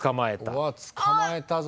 うわっ捕まえたぞ。